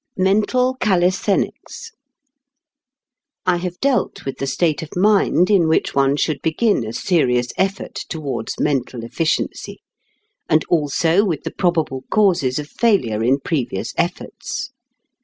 MENTAL CALISTHENICS I have dealt with the state of mind in which one should begin a serious effort towards mental efficiency, and also with the probable causes of failure in previous efforts.